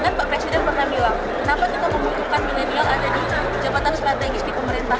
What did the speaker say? karena pak presiden pernah bilang kenapa kita membutuhkan milenial ada di jabatan strategis di pemerintah